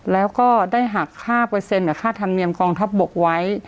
แล้วก็ได้หักค่าเปอร์เซ็นต์กับค่าธรรมเนียมกองทัพบกไว้